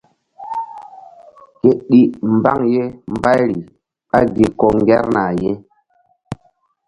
Ke ɗi mbaŋ ye mbayri ɓá gi ko ŋgerna ye.